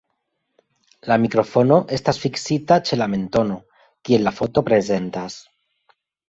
La mikrofono estas fiksita ĉe la mentono, kiel la foto prezentas.